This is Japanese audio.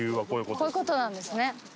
こういう事なんですね。